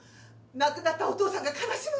亡くなったお父さんが悲しむわよ！